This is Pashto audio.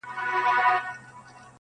باد صبا د خدای لپاره.!